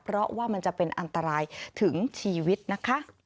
เพราะว่ามันจะเป็นอันตรายถึงชีวิตนะคะ